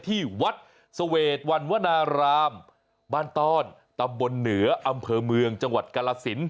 ที่วัดเสวดวันวนารามบ้านต้อนตำบลเหนืออำเภอเมืองจังหวัดกาลสิน